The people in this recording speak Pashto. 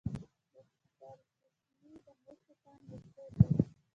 د سرچشمې د مسو کان مشهور دی.